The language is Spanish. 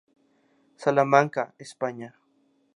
Salamanca, España.